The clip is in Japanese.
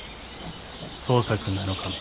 捜索７日目。